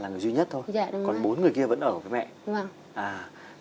là người duy nhất thôi còn bốn người kia vẫn ở với mẹ đến tận năm bao nhiêu tuổi thì em tách hẳn